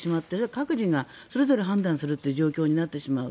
各自がそれぞれ判断するという状況になってしまう。